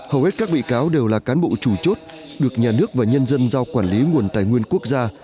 hầu hết các bị cáo đều là cán bộ chủ chốt được nhà nước và nhân dân giao quản lý nguồn tài nguyên quốc gia